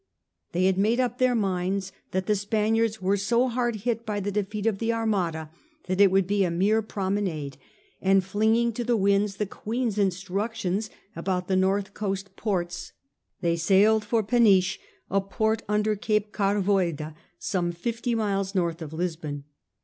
They had made up their minds that the Spaniards were so hard hit by the defeat of the Armada that it would be a mere prom enade, and flinging to the winds the Queen's instructions about the north coast ports, they sailed for Peniche, a port under Cape Carvoeira some fifty miles north of Lisbon.